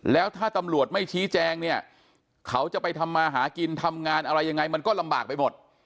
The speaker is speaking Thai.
แล้วถ้าตำรวจไม่ชี้แจงเนี่ยเขาจะไปทำมาหากินทำงานอะไรยังไงมันก็ลำบากไปหมด